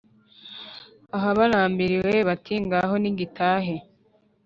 aha barambiriwe, bati "ngaho nigitahe"